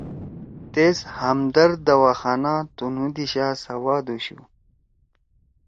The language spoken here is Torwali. تیس ہمدرد دواخانہ تنُو دیِشا سوادُوشُو